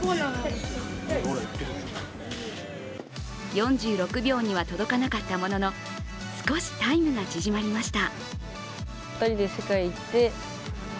４６秒には届かなかったものの少しタイムが縮まりました。